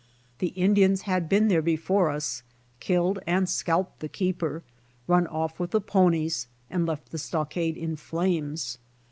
The Indians had been there before us, killed and scalped the keeper, run off with the ponies, and left the stockade in flames.